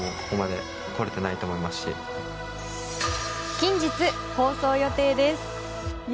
近日、放送予定です。